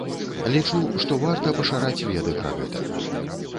Лічу, што варта пашыраць веды пра гэта.